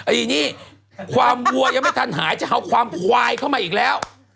ไอ้นี่ความวัวยังไม่ทันหายจะเอาความควายเข้ามาอีกแล้ว